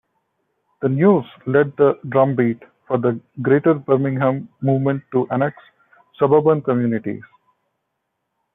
The "News" led the drumbeat for the "Greater Birmingham" movement to annex suburban communities.